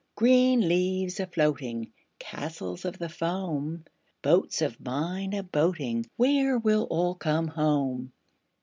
Green leaves a floating, Castles of the foam, Boats of mine a boating— Where will all come home?